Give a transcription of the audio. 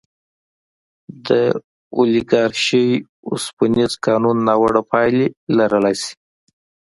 د اولیګارشۍ اوسپنیز قانون ناوړه پایلې لرلی شي.